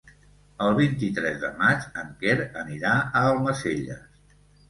El vint-i-tres de maig en Quer anirà a Almacelles.